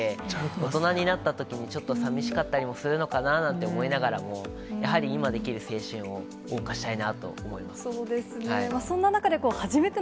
大人になったときに、ちょっと寂しかったりもするのかななんて思いながらも、やはり今できる青春をおう歌したいなと思います。